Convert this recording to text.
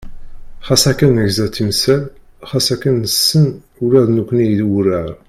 Xas akken negza timsal, xas akken nessen ula d nekkni i wurar.